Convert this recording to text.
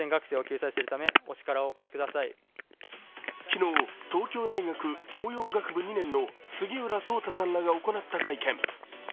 昨日、東京大学教養学部２年の杉浦蒼大さんらが行った会見。